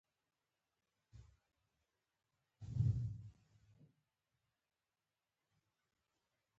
د یوې سیمې بچیان.